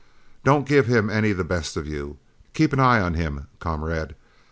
Don't give him any the best of you. Keep an eye on him, comrade."